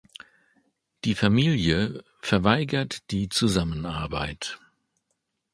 Die Familie verweigert die Zusammenarbeit.